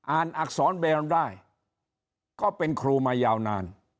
อ่านอักษรแบรนด์ได้ก็เป็นครูมายาวนาน